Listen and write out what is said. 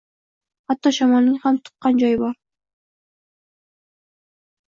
Hatto shamolning ham tuqqan joyi bor.